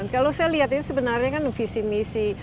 kalau saya lihat ini sebenarnya kan visi misi